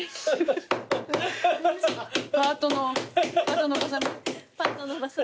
パートのおばさん。